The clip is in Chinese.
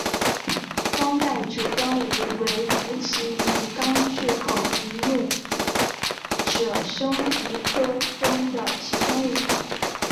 光带烛光鱼为辐鳍鱼纲巨口鱼目褶胸鱼科的其中一种。